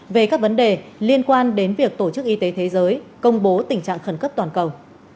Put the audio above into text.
về các vấn đề liên quan đến việc tổ chức y tế thế giới công bố tình trạng khẩn cấp toàn cầu